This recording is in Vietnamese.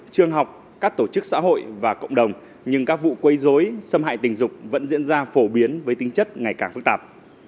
trường học các tổ chức xã hội và cộng đồng nhưng các vụ quây dối xâm hại tình dục vẫn diễn ra phổ biến với tinh chất ngày càng phức tạp